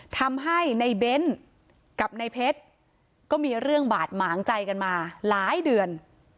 ทำให้ในเบ้นกับในเพชรก็มีเรื่องบาดหมางใจกันมาหลายเดือน